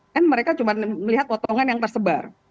kan mereka cuma melihat potongan yang tersebar